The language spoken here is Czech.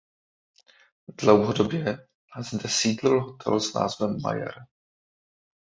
Dlouhodobě zde sídlil hotel s názvem Majer.